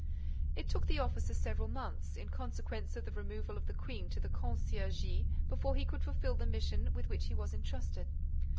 It took the officer several months, in consequence of the removal of the Queen to the Conciergerie, before he could fulfil the mission with which he was entrusted.